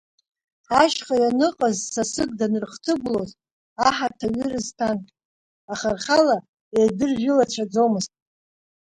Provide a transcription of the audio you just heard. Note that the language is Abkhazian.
Ашьха ианыҟаз сасык данрыхҭыгәылоз, аҳаҭа аҩы рызҭан, аха рхала еидыржәылацәаӡомызт.